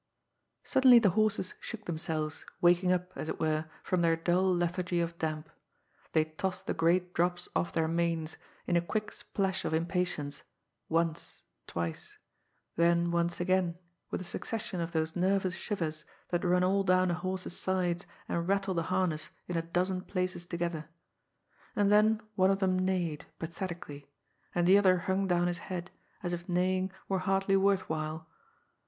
Suddenly the horses shook themselves, waking np, as it were, from their dull lethargy of damp. They tossed the great drops off their manes, in a quick splash of impa tience, once, twice — then once again, with a succession of those nervous shivers that run all down a horse's sides and rattle the harness in a dozen places together. And then one of them neighed, pathetically; and the other hung down his head, as if neighing were hardly worth while.